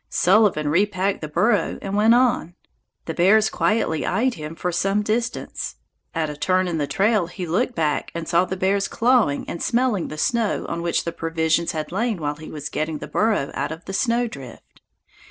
Sullivan repacked the burro and went on. The bears quietly eyed him for some distance. At a turn in the trail he looked back and saw the bears clawing and smelling the snow on which the provisions had lain while he was getting the burro out of the snowdrift.